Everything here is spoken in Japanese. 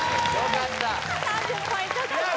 ３０ポイント獲得です